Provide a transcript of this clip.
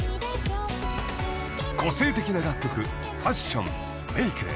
［個性的な楽曲ファッションメーク］